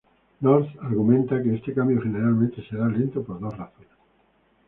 North argumenta que este cambio generalmente será lento por dos razones.